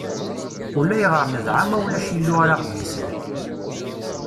Ulayɣer nedɛa ma ulac illu ara ɣ-d-yeslen.